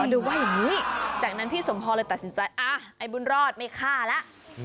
นึกว่าอย่างนี้จากนั้นพี่สมพรเลยตัดสินใจไอ้บุญรอดไม่ฆ่าแล้ว